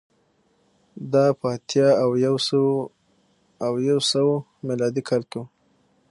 دا په اتیا او یو سوه میلادي کال کې و